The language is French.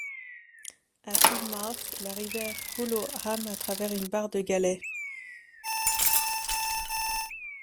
À Sidmouth, la rivière coule au Ham à travers une barre de galets.